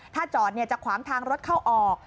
ถ้าจอดจะขวางทางรถเข้าออก